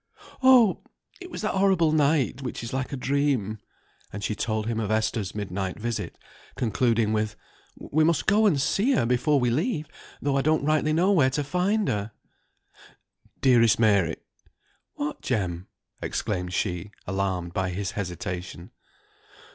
"Oh! it was that horrible night which is like a dream." And she told him of Esther's midnight visit, concluding with, "We must go and see her before we leave, though I don't rightly know where to find her." "Dearest Mary, " "What, Jem?" exclaimed she, alarmed by his hesitation.